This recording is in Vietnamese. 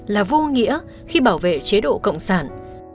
là vô nghĩa khi bảo vệ chế độ cộng sản